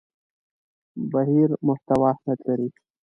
بهیر محتوا اهمیت لري.